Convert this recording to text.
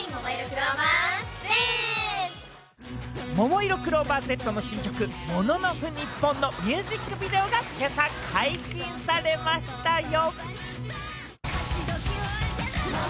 ももいろクローバーＺの新曲『ＭＯＮＯＮＯＦＵＮＩＰＰＯＮ』のミュージックビデオが今朝、解禁されましたよ。